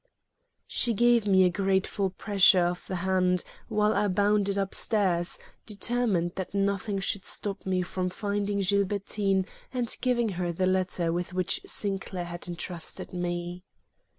She gave me a grateful pressure of the hand, while I bounded up stairs, determined that nothing should stop me from finding Gilbertine and giving her the letter with which Sinclair had intrusted me.